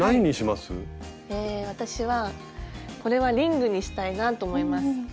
え私はこれはリングにしたいなと思います。